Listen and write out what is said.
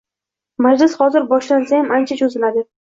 Majlis hozir boshlansayam ancha cho`ziladi